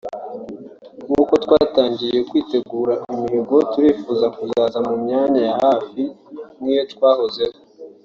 nk’uko twatangiye kwitegura imihigo turifuza kuzaza mu myanya ya hafi nk’iyo twahozeho